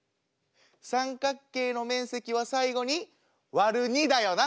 三角形の面積は最後に割る２だよな。